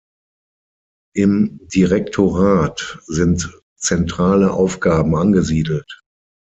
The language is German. Im Direktorat sind zentrale Aufgaben angesiedelt.